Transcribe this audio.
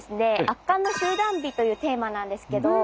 「圧巻の集団美」というテーマなんですけど。